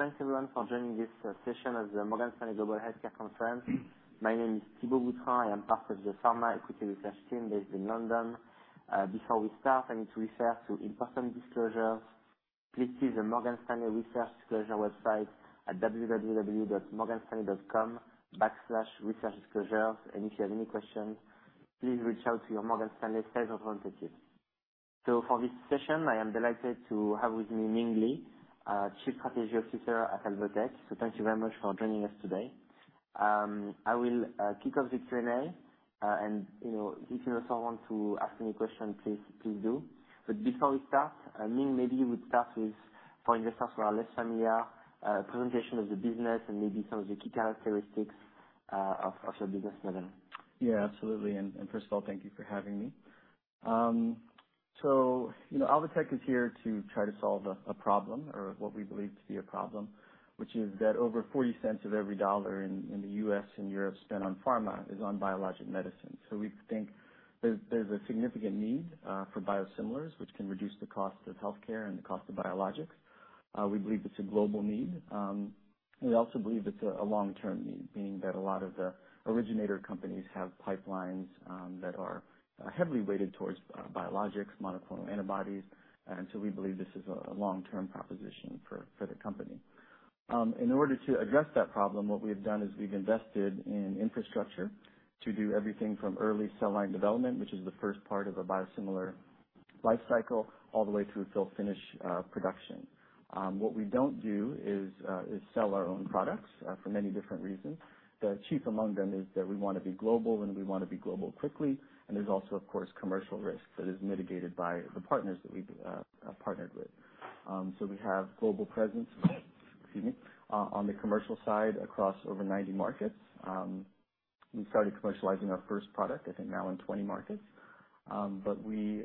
So thanks everyone for joining this session of the Morgan Stanley Global Healthcare Conference. My name is Thibault Boutherin. I am part of the pharma equity research team based in London. Before we start, I need to refer to important disclosures. Please see the Morgan Stanley Research Disclosure website at www.morganstanley.com/researchdisclosures. And if you have any questions, please reach out to your Morgan Stanley sales representative. So for this session, I am delighted to have with me Ming Li, Chief Strategy Officer at Alvotech. So thank you very much for joining us today. I will kick off the Q&A. And you know, if you also want to ask any question, please do. Before we start, Ming, maybe you would start with, for investors who are less familiar, a presentation of the business and maybe some of the key characteristics of your business model. Yeah, absolutely. And first of all, thank you for having me. So, you know, Alvotech is here to try to solve a problem, or what we believe to be a problem, which is that over 40 cents of every dollar in the U.S. and Europe spent on pharma is on biologic medicine. So we think there's a significant need for biosimilars, which can reduce the cost of healthcare and the cost of biologics. We believe it's a global need. We also believe it's a long-term need, being that a lot of the originator companies have pipelines that are heavily weighted towards biologics, monoclonal antibodies. And so we believe this is a long-term proposition for the company. In order to address that problem, what we have done is we've invested in infrastructure to do everything from early cell line development, which is the first part of a biosimilar life cycle, all the way through to fill finish production. What we don't do is sell our own products for many different reasons. The chief among them is that we want to be global, and we want to be global quickly, and there's also, of course, commercial risk that is mitigated by the partners that we've partnered with. So we have global presence, excuse me, on the commercial side, across over 90 markets. We've started commercializing our first product, I think, now in 20 markets. But we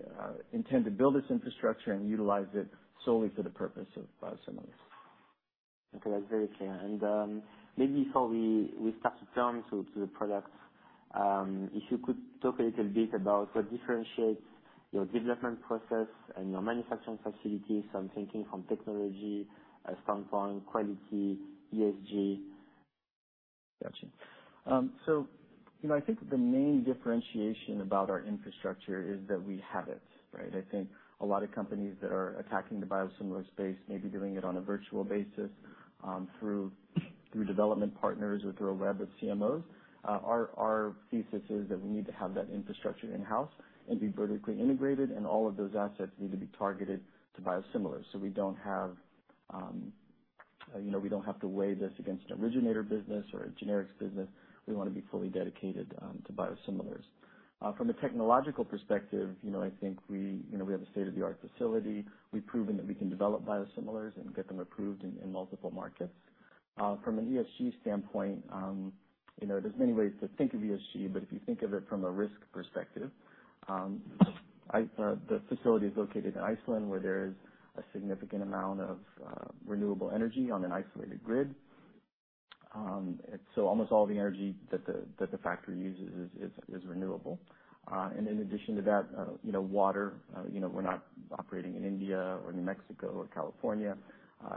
intend to build this infrastructure and utilize it solely for the purpose of biosimilars. Okay, that's very clear. Maybe before we start to turn to the products, if you could talk a little bit about what differentiates your development process and your manufacturing facilities. So I'm thinking from technology standpoint, quality, ESG. Gotcha. So, you know, I think the main differentiation about our infrastructure is that we have it, right? I think a lot of companies that are attacking the biosimilar space may be doing it on a virtual basis, through development partners or through a web of CMOs. Our thesis is that we need to have that infrastructure in-house and be vertically integrated, and all of those assets need to be targeted to biosimilars. So we don't have, you know, we don't have to weigh this against an originator business or a generics business. We want to be fully dedicated to biosimilars. From a technological perspective, you know, I think we, you know, we have a state-of-the-art facility. We've proven that we can develop biosimilars and get them approved in multiple markets. From an ESG standpoint, you know, there's many ways to think of ESG, but if you think of it from a risk perspective, the facility is located in Iceland, where there is a significant amount of renewable energy on an isolated grid. And so almost all the energy that the factory uses is renewable. And in addition to that, you know, water, you know, we're not operating in India or New Mexico or California.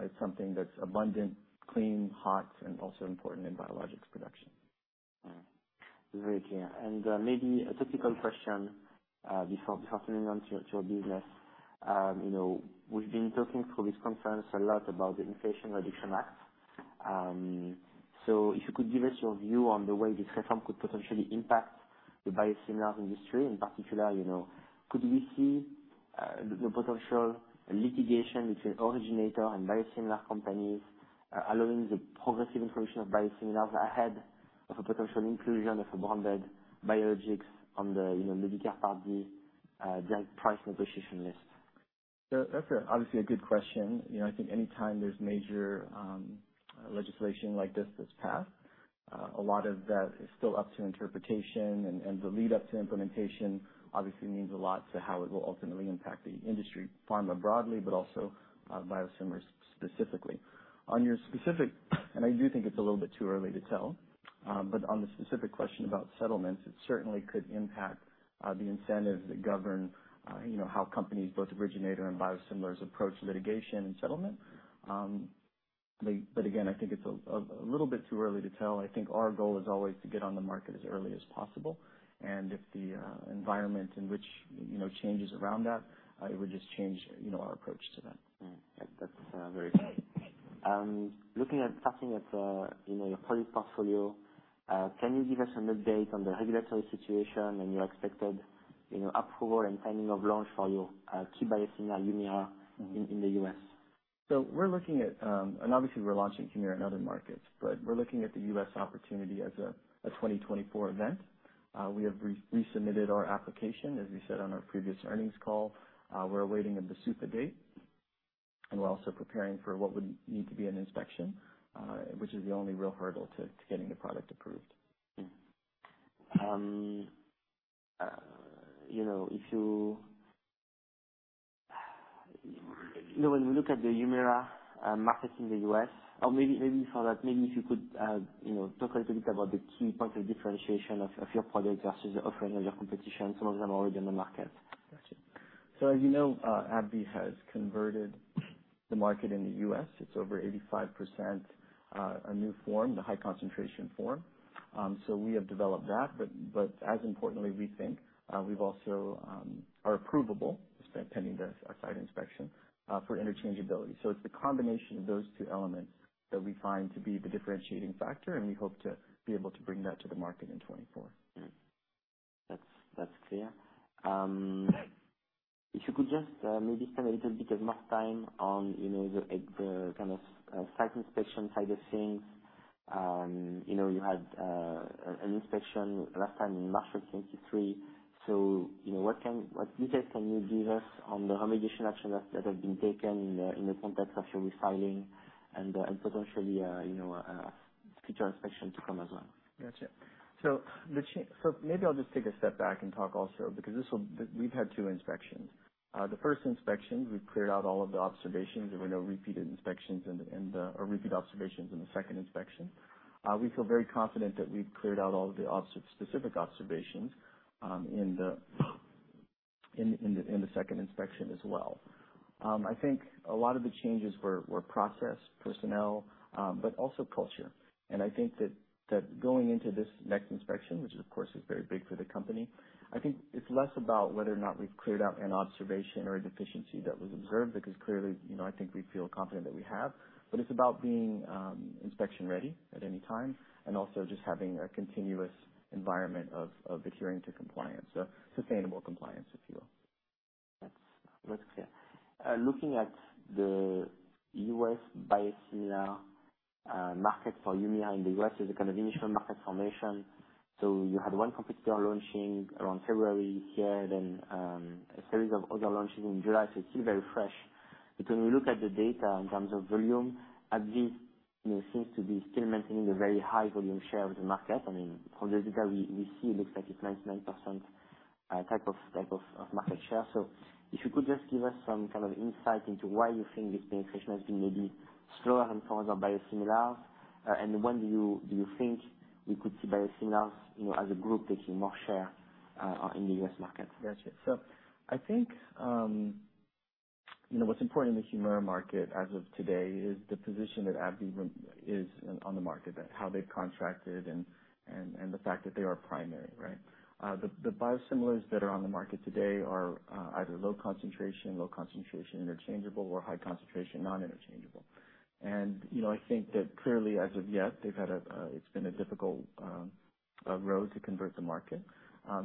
It's something that's abundant, clean, hot, and also important in biologics production. Mm-hmm. Very clear. And, maybe a typical question, before moving on to your business. You know, we've been talking through this conference a lot about the Inflation Reduction Act. So if you could give us your view on the way this reform could potentially impact the biosimilars industry, in particular, you know, could we see the potential litigation between originator and biosimilar companies allowing the progressive inclusion of biosimilars ahead of a potential inclusion of a branded biologics on the, you know, Medicare Part D drug price negotiation list? So that's obviously a good question. You know, I think anytime there's major legislation like this that's passed, a lot of that is still up to interpretation, and the lead-up to implementation obviously means a lot to how it will ultimately impact the industry, pharma broadly, but also, biosimilars specifically. On your specific—and I do think it's a little bit too early to tell, but on the specific question about settlements, it certainly could impact the incentives that govern, you know, how companies, both originator and biosimilars, approach litigation and settlement. But again, I think it's a little bit too early to tell. I think our goal is always to get on the market as early as possible, and if the environment in which, you know, changes around that, it would just change, you know, our approach to that. Mm-hmm. That’s very clear. Looking at your product portfolio, you know, can you give us an update on the regulatory situation and your expected, you know, approval and timing of launch for your key biosimilar, HUMIRA, in the US? We're looking at. Obviously, we're launching HUMIRA in other markets, but we're looking at the U.S. opportunity as a 2024 event. We have resubmitted our application, as we said on our previous earnings call. We're awaiting a BSUPA date, and we're also preparing for what would need to be an inspection, which is the only real hurdle to getting the product approved. You know, if you... You know, when we look at the HUMIRA market in the U.S., or maybe, maybe for that, maybe if you could, you know, talk a little bit about the key points of differentiation of, of your product versus the offering of your competition, some of them are already in the market.... So as you know, AbbVie has converted the market in the U.S. It's over 85%, a new form, the high concentration form. So we have developed that, but, but as importantly, we think, we've also are approvable, just pending the site inspection, for interchangeability. So it's the combination of those two elements that we find to be the differentiating factor, and we hope to be able to bring that to the market in 2024. Mm-hmm. That's, that's clear. If you could just maybe spend a little bit more time on, you know, the kind of site inspection side of things. You know, you had an inspection last time in March of 2023. So, you know, what details can you give us on the remediation actions that have been taken in the context of your refiling and potentially, you know, future inspection to come as well? Gotcha. So maybe I'll just take a step back and talk also, because we've had two inspections. The first inspection, we've cleared out all of the observations. There were no repeated inspections or repeat observations in the second inspection. We feel very confident that we've cleared out all the specific observations in the second inspection as well. I think a lot of the changes were process, personnel, but also culture. And I think that going into this next inspection, which of course is very big for the company, I think it's less about whether or not we've cleared out an observation or a deficiency that was observed, because clearly, you know, I think we feel confident that we have. It's about being inspection ready at any time, and also just having a continuous environment of adhering to compliance, so sustainable compliance, if you will. That's clear. Looking at the U.S. biosimilar market for HUMIRA in the U.S., as a kind of initial market formation, so you had one competitor launching around February here, then a series of other launches in July, so it's still very fresh. But when we look at the data in terms of volume, AbbVie, you know, seems to be still maintaining a very high volume share of the market. I mean, from the data we see, it looks like it's 99% market share. So if you could just give us some kind of insight into why you think this penetration has been maybe slower than for other biosimilars, and when do you think we could see biosimilars, you know, as a group, taking more share in the U.S. market? Gotcha. So I think, you know, what's important in the HUMIRA market as of today is the position that AbbVie is on the market, how they've contracted and the fact that they are primary, right? The biosimilars that are on the market today are either low concentration interchangeable, or high concentration non-interchangeable. You know, I think that clearly as of yet, they've had a, it's been a difficult road to convert the market.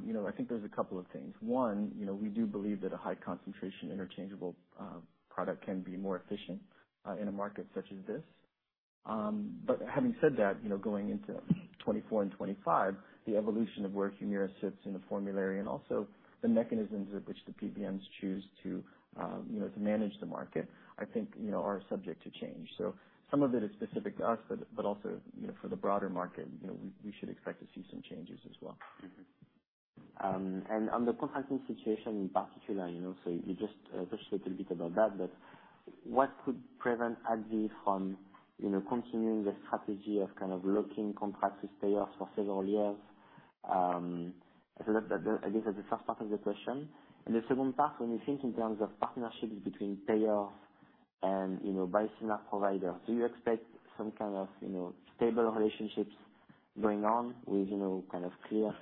You know, I think there's a couple of things. One, you know, we do believe that a high concentration, interchangeable product can be more efficient in a market such as this. But having said that, you know, going into 2024 and 2025, the evolution of where HUMIRA sits in the formulary, and also the mechanisms with which the PBMs choose to, you know, to manage the market, I think, you know, are subject to change. So some of it is specific to us, but, but also, you know, for the broader market, you know, we, we should expect to see some changes as well. Mm-hmm. And on the contracting situation in particular, you know, so you just touched a little bit about that, but what could prevent AbbVie from, you know, continuing the strategy of kind of locking contracts with payers for several years? So that, I guess, is the first part of the question. And the second part, when you think in terms of partnerships between payers and, you know, biosimilar providers, do you expect some kind of, you know, stable relationships going on with, you know, kind of clear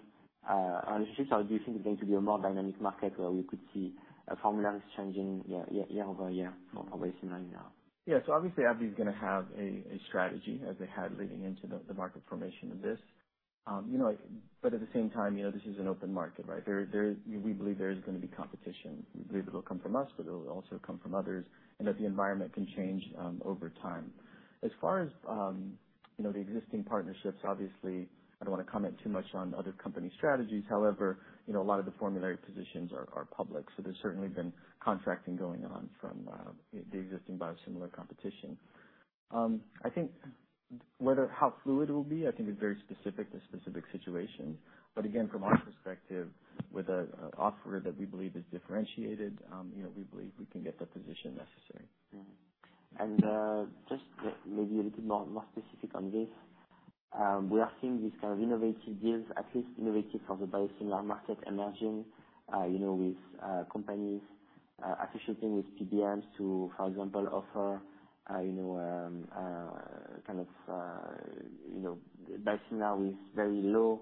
relationships? Or do you think it's going to be a more dynamic market where we could see formularies changing year-over-year for biosimilar now? Yeah. So obviously, AbbVie is going to have a strategy, as they had leading into the market formation of this. You know, but at the same time, you know, this is an open market, right? We believe there is going to be competition. We believe it'll come from us, but it'll also come from others, and that the environment can change over time. As far as you know, the existing partnerships, obviously, I don't want to comment too much on other company strategies. However, you know, a lot of the formulary positions are public, so there's certainly been contracting going on from the existing biosimilar competition. I think how fluid it will be, I think is very specific to specific situations. But again, from our perspective, with an offer that we believe is differentiated, you know, we believe we can get the position necessary. Mm-hmm. And, just maybe a little more specific on this, we are seeing these kind of innovative deals, at least innovative for the biosimilar market emerging, you know, with, companies, negotiating with PBMs to, for example, offer, you know, kind of, you know, biosimilar with very low,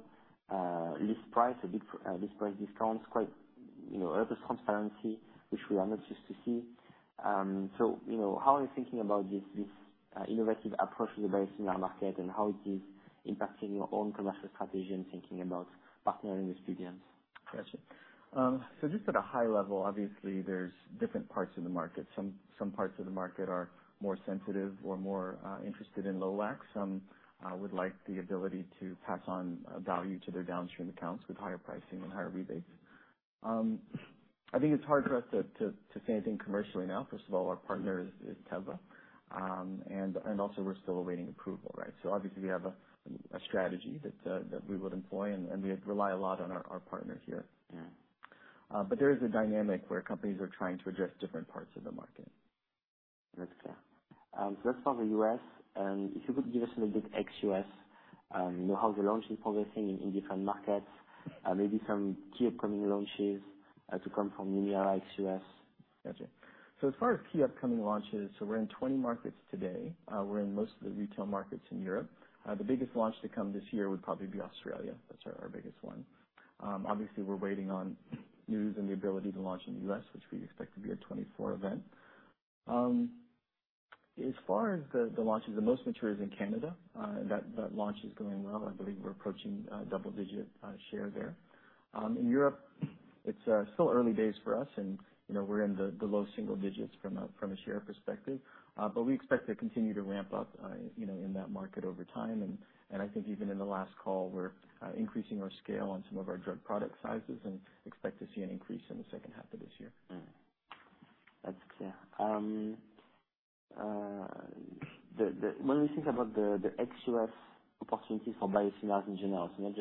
list price, a big, list price discounts, quite, you know, over transparency, which we are not used to see. So, you know, how are you thinking about this, innovative approach to the biosimilar market, and how it is impacting your own commercial strategy and thinking about partnering with PBMs? Gotcha. So just at a high level, obviously, there's different parts of the market. Some parts of the market are more sensitive or more interested in low WAC. Some would like the ability to pass on value to their downstream accounts with higher pricing and higher rebates. I think it's hard for us to say anything commercially now. First of all, our partner is Teva. And also we're still awaiting approval, right? So obviously, we have a strategy that we would employ and we rely a lot on our partners here. Yeah. There is a dynamic where companies are trying to address different parts of the market.... That's clear. So that's for the U.S., and if you could give us a little bit ex-U.S., you know, how the launch is progressing in different markets, maybe some key upcoming launches to come from HUMIRA ex-U.S.? Gotcha. So as far as key upcoming launches, we're in 20 markets today. We're in most of the retail markets in Europe. The biggest launch to come this year would probably be Australia. That's our biggest one. Obviously, we're waiting on news and the ability to launch in the U.S., which we expect to be a 2024 event. As far as the launches, the most mature is in Canada. That launch is going well. I believe we're approaching a double-digit share there. In Europe, it's still early days for us and, you know, we're in the low single digits from a share perspective. But we expect to continue to ramp up, you know, in that market over time. And I think even in the last call, we're increasing our scale on some of our drug product sizes and expect to see an increase in the second half of this year. That's clear. When we think about the ex-U.S. opportunities for biosimilars in general, so not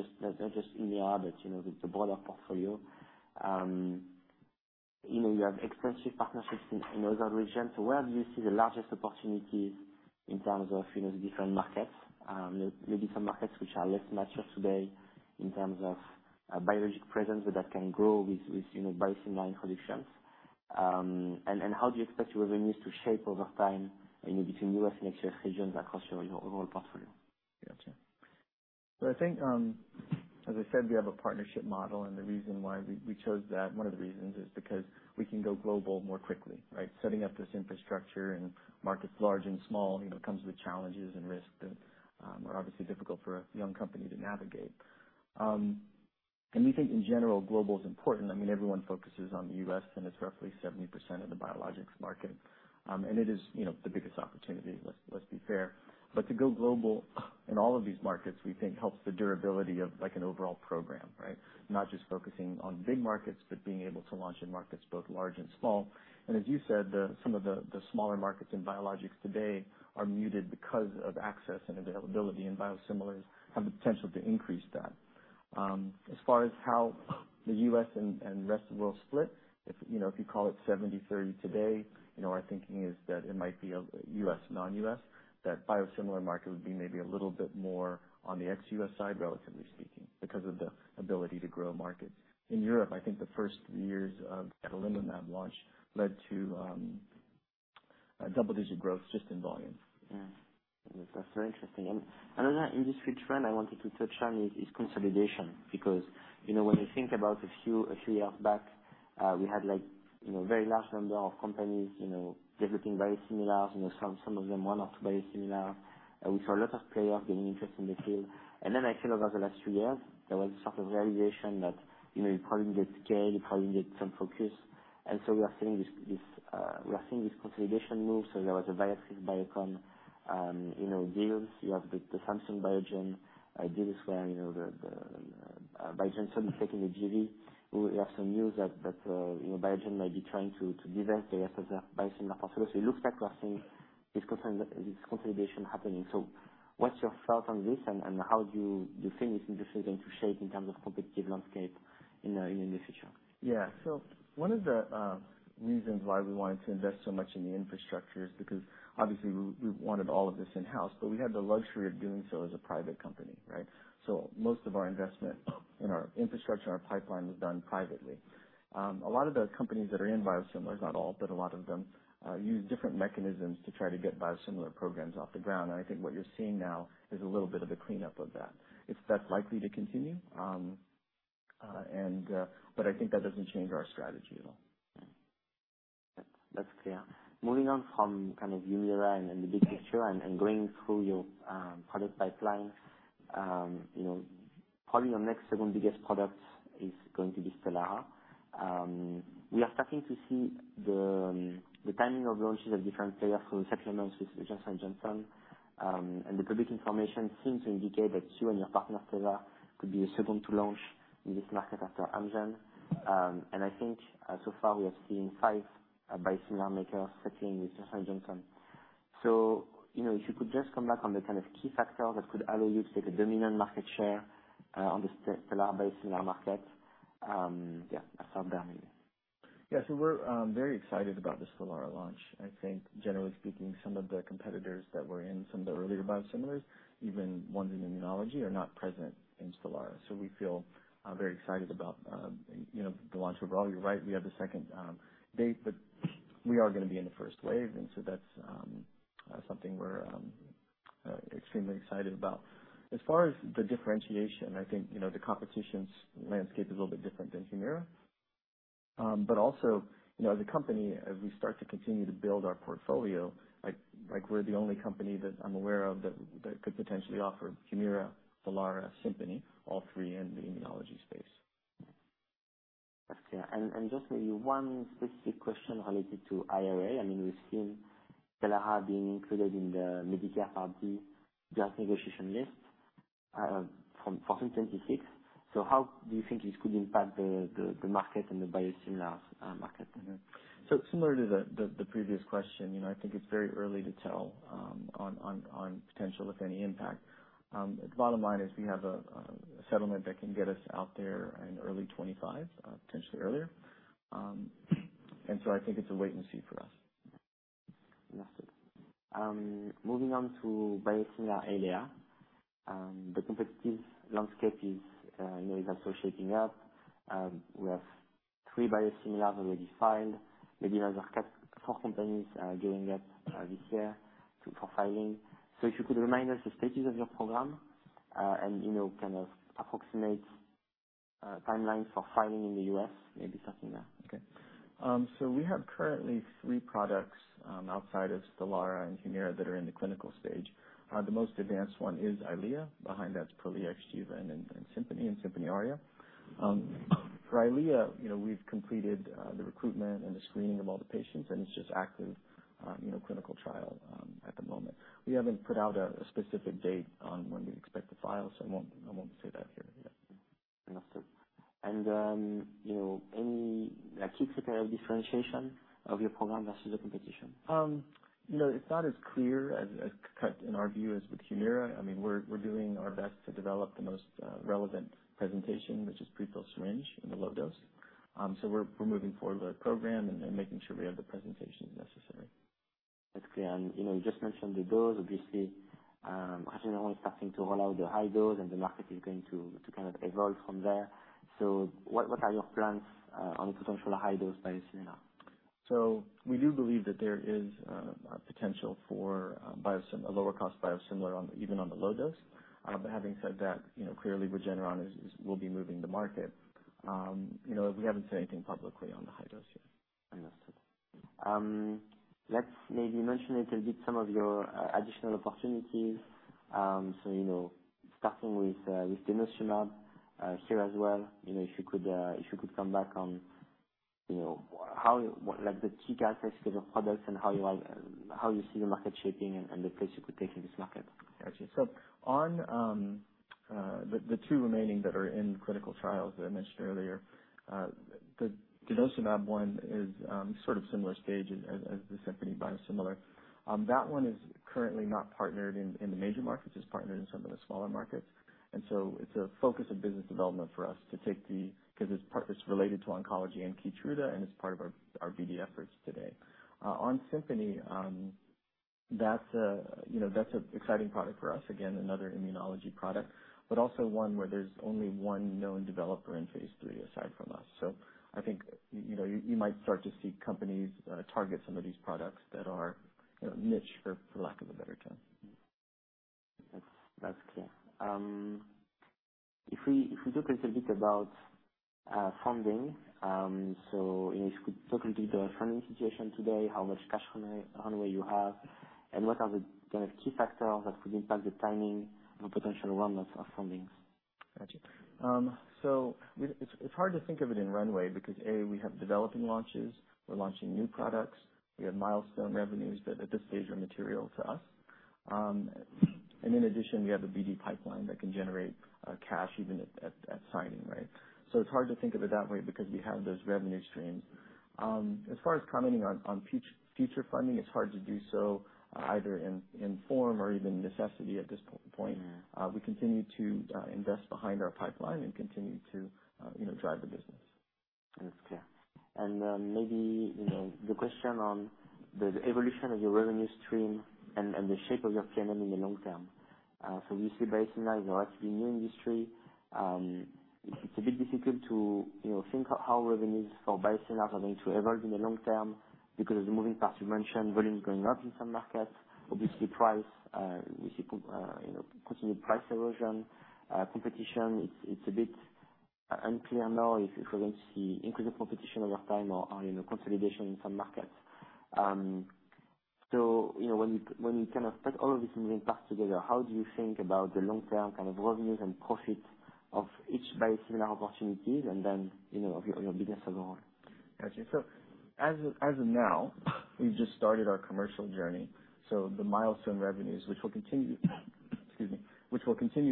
just HUMIRA, but, you know, the broader portfolio. You know, you have extensive partnerships in other regions. So where do you see the largest opportunities in terms of, you know, the different markets? Maybe some markets which are less mature today in terms of biologic presence, but that can grow with, you know, biosimilar introductions. And how do you expect your revenues to shape over time, you know, between U.S. and ex-U.S. regions across your overall portfolio? Gotcha. So I think, as I said, we have a partnership model, and the reason why we, we chose that, one of the reasons, is because we can go global more quickly, right? Setting up this infrastructure in markets large and small, you know, comes with challenges and risks that are obviously difficult for a young company to navigate. And we think, in general, global is important. I mean, everyone focuses on the US, and it's roughly 70% of the biologics market. And it is, you know, the biggest opportunity, let's, let's be fair. But to go global in all of these markets, we think helps the durability of, like, an overall program, right? Not just focusing on big markets, but being able to launch in markets both large and small. As you said, some of the smaller markets in biologics today are muted because of access and availability, and biosimilars have the potential to increase that. As far as how the US and rest of world split, if you know, if you call it 70/30 today, you know, our thinking is that it might be a US, non-US, that biosimilar market would be maybe a little bit more on the ex-US side, relatively speaking, because of the ability to grow markets. In Europe, I think the first years of adalimumab launch led to a double-digit growth just in volume. Mm. That's very interesting. And another industry trend I wanted to touch on is consolidation, because, you know, when you think about a few years back, we had like, you know, a very large number of companies, you know, developing biosimilars, you know, some of them one or two biosimilar. And we saw a lot of players getting interest in the field. And then, actually, over the last two years, there was sort of realization that, you know, you probably need scale, you probably need some focus. And so we are seeing this consolidation move. So there was a BioXcel, Biocon, deals. You have the Samsung Bioepis, deals where, you know, the Biogen taking a JV. We have some news that you know, Biogen might be trying to divest their SSR biosimilar portfolio. So it looks like we are seeing this consolidation happening. So what's your thought on this, and how do you think this industry is going to shape in terms of competitive landscape in the future? Yeah. So one of the reasons why we wanted to invest so much in the infrastructure is because, obviously, we wanted all of this in-house, but we had the luxury of doing so as a private company, right? So most of our investment in our infrastructure and our pipeline was done privately. A lot of the companies that are in biosimilars, not all, but a lot of them, use different mechanisms to try to get biosimilar programs off the ground. And I think what you're seeing now is a little bit of a cleanup of that. Is that likely to continue? But I think that doesn't change our strategy at all. That's clear. Moving on from kind of HUMIRA and the big picture and going through your product pipeline, you know, probably your next second biggest product is going to be Stelara. We are starting to see the timing of launches of different players, for example, announcements with Johnson & Johnson. And the public information seems to indicate that you and your partner, Teva, could be the second to launch in this market after Amgen. And I think so far, we have seen five biosimilar makers settling with Johnson & Johnson. So, you know, if you could just come back on the kind of key factors that could allow you to take a dominant market share on the Stelara biosimilar market. Yeah, I'll start there maybe. Yeah. So we're very excited about the Stelara launch. I think generally speaking, some of the competitors that were in some of the earlier biosimilars, even ones in immunology, are not present in Stelara. So we feel very excited about, you know, the launch overall. You're right, we have the second date, but we are gonna be in the first wave, and so that's something we're extremely excited about. As far as the differentiation, I think, you know, the competition's landscape is a little bit different than HUMIRA. But also, you know, as a company, as we start to continue to build our portfolio, like, we're the only company that I'm aware of that could potentially offer HUMIRA, Stelara, Simponi, all three in the immunology space. That's clear. And just maybe one specific question related to IRA. I mean, we've seen Stelara being included in the Medicare Part B drug negotiation list from 2026. So how do you think this could impact the market and the biosimilars market? So similar to the previous question, you know, I think it's very early to tell on potential, if any, impact. The bottom line is we have a settlement that can get us out there in early 2025, potentially earlier. And so I think it's a wait and see for us.... Moving on to biosimilar area, the competitive landscape is, you know, is also shaping up. We have three biosimilars already filed, maybe another four companies, giving up, this year to—for filing. So if you could remind us the status of your program, and, you know, kind of approximate timelines for filing in the U.S., maybe starting there. Okay. So we have currently three products outside of Stelara and HUMIRA that are in the clinical stage. The most advanced one is Eylea. Behind that's Prolia, Xgeva, and, and Simponi and Simponi Aria. For Eylea, you know, we've completed the recruitment and the screening of all the patients, and it's just active, you know, clinical trial at the moment. We haven't put out a specific date on when we expect to file, so I won't, I won't say that here yet. Understood. And, you know, any, like, key preparation of differentiation of your program versus the competition? You know, it's not as clear-cut in our view as with HUMIRA. I mean, we're doing our best to develop the most relevant presentation, which is pre-filled syringe in the low dose. So we're moving forward with our program and making sure we have the presentations necessary. Okay. And, you know, you just mentioned the dose. Obviously, Regeneron is starting to roll out the high dose, and the market is going to kind of evolve from there. So what are your plans on the potential high dose biosimilar? So we do believe that there is a potential for a lower cost biosimilar on even on the low dose. But having said that, you know, clearly Regeneron will be moving the market. You know, we haven't said anything publicly on the high dose yet. Understood. Let's maybe mention a little bit some of your additional opportunities. So, you know, starting with with denosumab here as well, you know, if you could come back on, you know, how, what... Like, the key characteristics of the products and how you see the market shaping and the place you could take in this market. Got you. So on the two remaining that are in clinical trials that I mentioned earlier, the denosumab one is sort of similar stage as the Simponi biosimilar. That one is currently not partnered in the major markets. It's partnered in some of the smaller markets, and so it's a focus of business development for us to take the—'cause it's part, it's related to oncology and Keytruda, and it's part of our BD efforts today. On Simponi, you know, that's an exciting product for us. Again, another immunology product, but also one where there's only one known developer in phase 3, aside from us. So I think, you know, you might start to see companies target some of these products that are, you know, niche, for lack of a better term. That's, that's clear. If we talk a little bit about funding, so, you know, if you could talk a little bit about funding situation today, how much cash runway you have, and what are the kind of key factors that could impact the timing and potential roundness of fundings? Got you. So it's hard to think of it in runway, because, A, we have developing launches, we're launching new products, we have milestone revenues that at this stage are material to us. And in addition, we have a BD pipeline that can generate cash even at signing, right? So it's hard to think of it that way because we have those revenue streams. As far as commenting on future funding, it's hard to do so, either in form or even necessity at this point. Mm-hmm. We continue to invest behind our pipeline and continue to, you know, drive the business. That's clear. And, maybe, you know, the question on the evolution of your revenue stream and the shape of your PNL in the long term. So we see biosimilar is actually a new industry. It's a bit difficult to, you know, think how revenues for biosimilars are going to evolve in the long term, because the moving parts you mentioned, volume going up in some markets, obviously price, we see, you know, continued price erosion, competition. It's a bit unclear now if we're going to see increased competition over time or, you know, consolidation in some markets. So, you know, when you kind of put all of these moving parts together, how do you think about the long-term kind of revenues and profits of each biosimilar opportunities, and then, you know, of your business as a whole? Got you. So as of now, we've just started our commercial journey, so the milestone revenues, which will continue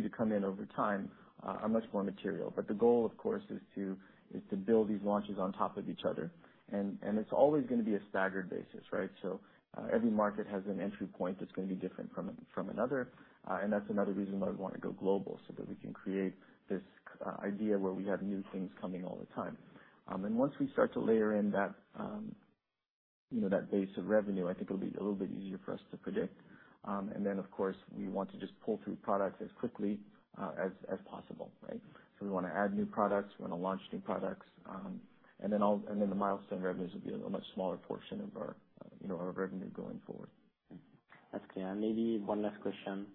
to come in over time, are much more material. But the goal, of course, is to build these launches on top of each other, and it's always going to be a staggered basis, right? So every market has an entry point that's going to be different from another, and that's another reason why we want to go global, so that we can create this idea where we have new things coming all the time. And once we start to layer in that, you know, that base of revenue, I think it'll be a little bit easier for us to predict. And then, of course, we want to just pull through products as quickly as possible, right? So we wanna add new products, we wanna launch new products, and then the milestone revenues will be a much smaller portion of our, you know, our revenue going forward. That's clear. Maybe one last question.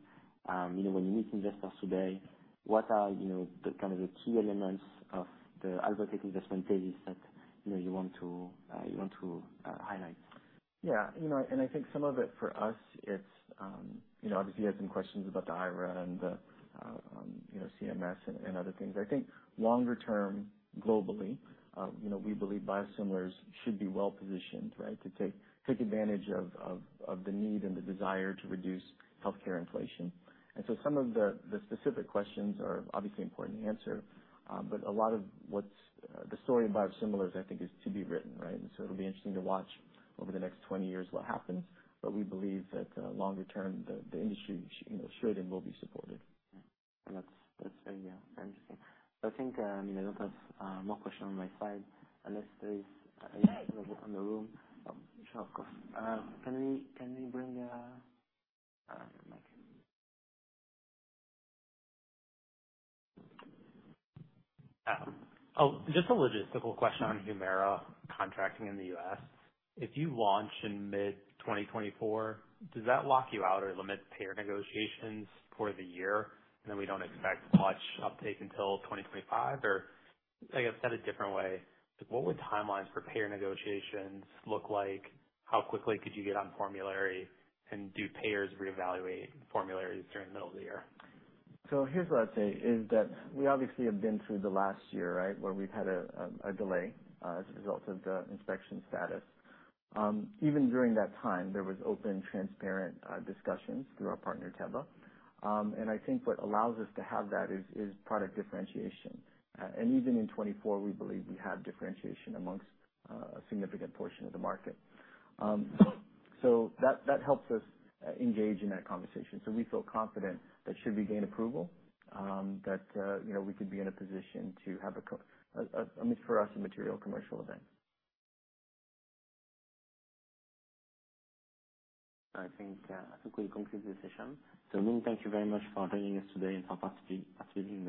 You know, when you meet investors today, what are, you know, the kind of key elements of the Alvotech investment thesis that, you know, you want to highlight? Yeah. You know, and I think some of it for us, it's, you know, obviously you had some questions about the IRA and the, you know, CMS and, and other things. I think longer term, globally, you know, we believe biosimilars should be well positioned, right? To take advantage of the need and the desire to reduce healthcare inflation. And so some of the specific questions are obviously important to answer, but a lot of what's the story of biosimilars, I think, is to be written, right? And so it'll be interesting to watch over the next 20 years what happens, but we believe that, longer term, the industry, you know, should and will be supported. That's very, yeah, interesting. I think I don't have more questions on my side, unless there is in the room. Sure, of course. Can we bring the mic? Just a logistical question on HUMIRA contracting in the U.S. If you launch in mid-2024, does that lock you out or limit payer negotiations for the year, and then we don't expect much uptake until 2025? Or I guess said a different way, what would timelines for payer negotiations look like? How quickly could you get on formulary, and do payers reevaluate formularies during the middle of the year? So here's what I'd say, is that we obviously have been through the last year, right? Where we've had a delay as a result of the inspection status. Even during that time, there was open, transparent discussions through our partner, Teva. And I think what allows us to have that is product differentiation. And even in 2024, we believe we have differentiation amongst a significant portion of the market. So that helps us engage in that conversation. So we feel confident that should we gain approval, that you know, we could be in a position to have, for us, a material commercial event. I think, I think we conclude the session. So again, thank you very much for joining us today and for participating.